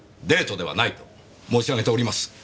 デートではないと申し上げております。